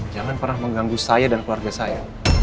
jangan pernah mengganggu saya dan keluarga saya